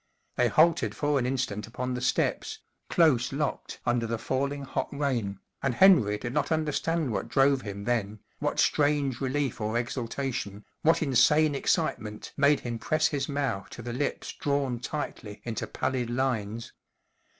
They halted for an instant upon the steps, close locked under the falling hot rain, and Henry did not under¬ stand what drove him then, what strange relief or exaltation, what insane excitement made him press his mouth to the lips drawn tightly into pallid lines.